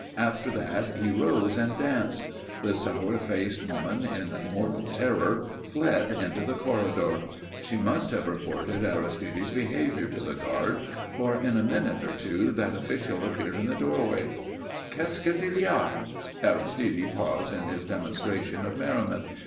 After that he rose and danced. The sour faced Englishwoman, in mortal terror, fled into the corridor. She must have reported Aristide's behaviour to the guard, for in a minute or two that official appeared at the doorway. "Qu'est ce qu'il y a?" Aristide paused in his demonstrations of merriment.